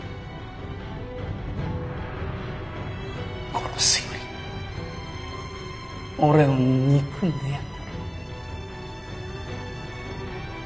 殺すより俺を憎んでやがる。